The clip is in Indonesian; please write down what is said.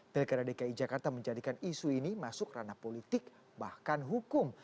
pilkada dki jakarta menjadikan isu ini masuk ranah politik bahkan hukum